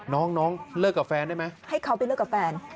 น้องเลิกกับแฟนได้ไหมให้เขาไปเลิกกับแฟน